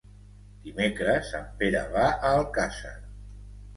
Dimecres en Pere va a Alcàsser.